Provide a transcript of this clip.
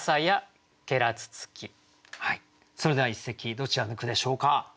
それでは一席どちらの句でしょうか。